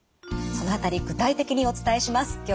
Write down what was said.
その辺り具体的にお伝えします。